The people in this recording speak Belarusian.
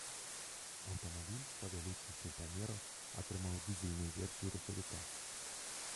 Аўтамабіль павялічыўся ў памерах, атрымаў дызельную версію рухавіка.